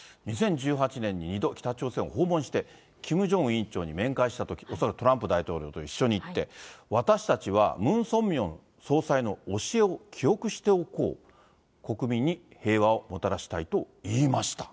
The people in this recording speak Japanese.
２０１８年に２度、北朝鮮を訪問して、キム・ジョンウン委員長に面会したとき、恐らくトランプ大統領と一緒に行って、私たちはムン・ソンミョン総裁の教えを記憶しておこう、国民に平和をもたらしたいと言いました。